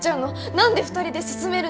何で２人で進めるの？